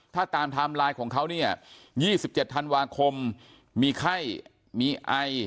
ถ้าตามไทม์ไลน์ของเขาเนี่ย๒๗ธันวาคมมีไข้มีไอ